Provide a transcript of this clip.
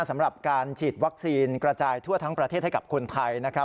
สำหรับการฉีดวัคซีนกระจายทั่วทั้งประเทศให้กับคนไทยนะครับ